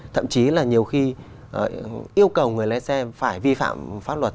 thậm chí là nhiều khi yêu cầu người lái xe phải vi phạm pháp luật